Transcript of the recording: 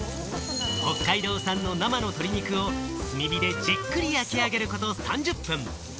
北海道産の生の鶏肉を炭火でじっくり焼き上げること３０分。